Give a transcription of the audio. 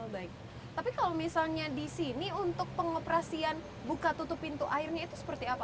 baik tapi kalau misalnya di sini untuk pengoperasian buka tutup pintu airnya itu seperti apa